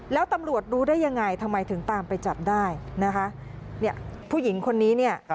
แล้วตำรวจรู้ได้ยังไงทำไมถึงตามไปจับได้นะคะเนี่ยผู้หญิงคนนี้เนี่ย